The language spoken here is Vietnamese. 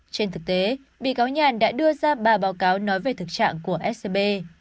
trên thực tế bị cáo nhàn đã đưa ra ba báo cáo nói về thực trạng của scb